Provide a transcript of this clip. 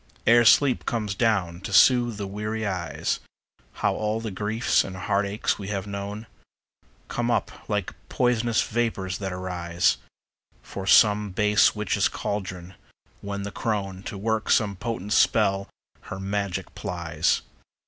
Ere sleep comes down to soothe the weary eyes, How all the griefs and heartaches we have known Come up like pois'nous vapors that arise From some base witch's caldron, when the crone, To work some potent spell, her magic plies.